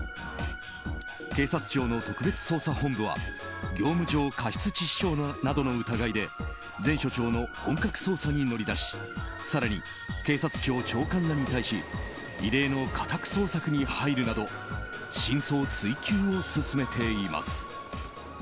警察庁の特別捜査本部は業務上過失致死傷などの疑いで前署長の本格捜査に乗り出し更に、警察庁長官らに対し異例の家宅捜索に入るなど真相追及を進めています。